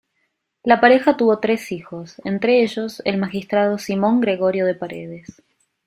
La pareja tuvo tres hijos, entre ellos el magistrado Simón Gregorio de Paredes.